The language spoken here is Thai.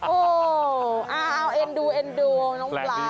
โอ้เอาเอ็นดูน้องปลา